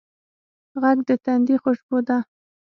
غږ د تندي خوشبو ده